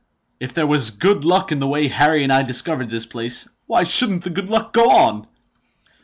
If there was good luck in the way Harry and I discovered this place, why shouldn't the good luck go on?"